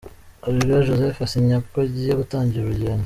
Areruya Joseph asinya ko agiye gutangira urugendo.